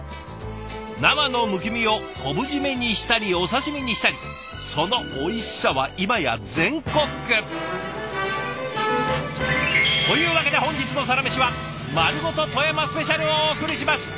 生のむき身を昆布締めにしたりお刺身にしたりそのおいしさは今や全国区。というわけで本日の「サラメシ」は「まるごと富山スペシャル」をお送りします！